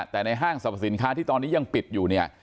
แต่ในห้างสรรพสินค้าที่ตอนนี้ยังปิดอยู่เนี่ย